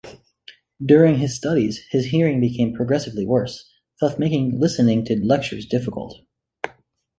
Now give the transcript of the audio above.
During his studies, his hearing became progressively worse, thus making listening to lectures difficult.